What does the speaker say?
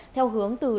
theo hướng từ đồng thành